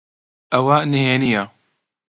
ئەوە نهێنییە؟